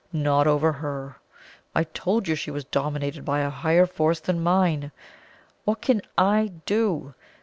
"Not over her. I told you she was dominated by a higher force than mine. What can I do?